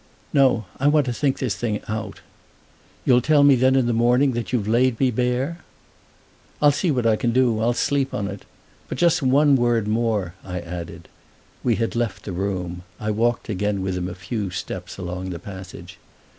"No. I want to think this thing out." "You'll tell me then in the morning that you've laid me bare?" "I'll see what I can do; I'll sleep on it. But just one word more," I added. We had left the room—I walked again with him a few steps along the passage.